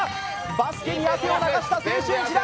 バスケに汗を流した青春時代。